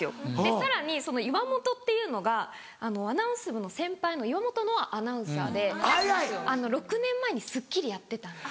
さらに岩本っていうのがアナウンス部の先輩の岩本乃蒼アナウンサーで６年前に『スッキリ』やってたんですよ。